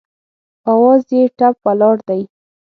اواز یې ټپ ولاړ دی